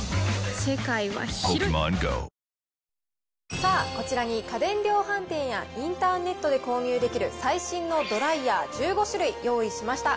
さあ、こちらに家電量販店やインターネットで購入できる、最新のドライヤー１５種類、用意しました。